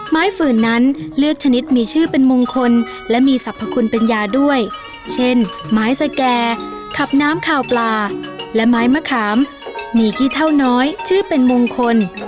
ฝืนนั้นเลือกชนิดมีชื่อเป็นมงคลและมีสรรพคุณเป็นยาด้วยเช่นไม้สแก่ขับน้ำขาวปลาและไม้มะขามมีขี้เท่าน้อยชื่อเป็นมงคล